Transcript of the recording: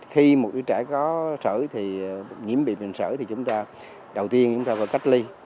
khi một đứa trẻ có sở thì nhiễm bị bệnh sởi thì chúng ta đầu tiên chúng ta phải cách ly